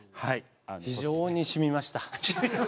非常に、しみました。